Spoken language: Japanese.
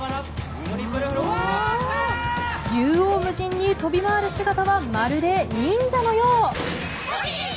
縦横無尽に跳び回る姿はまるで忍者のよう。